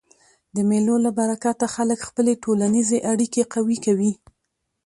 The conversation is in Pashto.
د مېلو له برکته خلک خپلي ټولنیزي اړیکي قوي کوي.